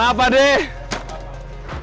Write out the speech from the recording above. lalu dimasukan dengan suara